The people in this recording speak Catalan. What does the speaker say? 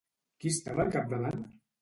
Qui estava al capdavant?